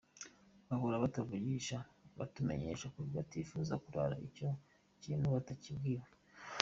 Bahora batuvugisha batumenyesha ko batifuza kurara icyo kintu batakibwiwe.